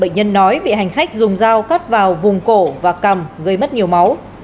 nói bị hành khách dùng dao cắt vào vùng cổ và cầm gây mất nhiều máu